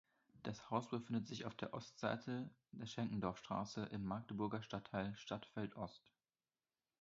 Das Haus befindet sich auf der Ostseite der Schenkendorfstraße im Magdeburger Stadtteil Stadtfeld Ost.